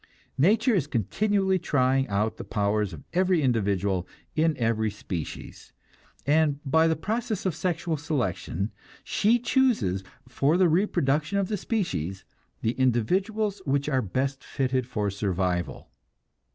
Nature is continually trying out the powers of every individual in every species, and by the process of sexual selection she chooses, for the reproduction of the species, the individuals which are best fitted for survival.